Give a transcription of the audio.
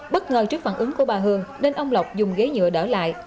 bất ngờ trước phản ứng của bà hương nên ông lộc dùng ghế nhựa đỡ lại